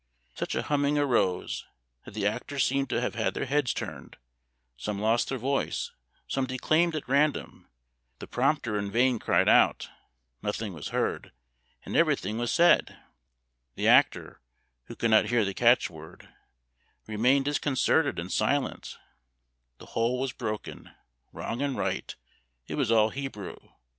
Such a humming arose, that the actors seemed to have had their heads turned; some lost their voice, some declaimed at random, the prompter in vain cried out, nothing was heard, and everything was said; the actor, who could not hear the catch word, remained disconcerted and silent; the whole was broken, wrong and right; it was all Hebrew.